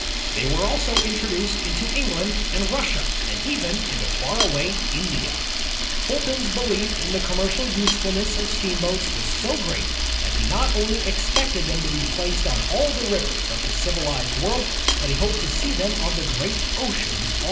They were also introduced into England and Russia, and even into far away India. Fulton's belief in the commercial usefulness of steam boats was so great that he not only expected them to be placed on all the rivers of the civilized world, but he hoped to see them on the great oceans also.